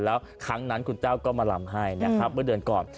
แล้วครั้งนั้นคุณแต้วก็มาลำให้นะครับเมื่อเดือนก่อน